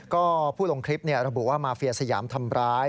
ก็ผู้ลงคลิประบุว่ามาเฟียสยามทำร้าย